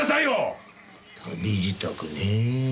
旅支度ねぇ。